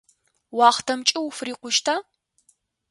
Уахътэмкӏэ уфырикъущта?